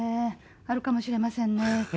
あるかもしれませんね。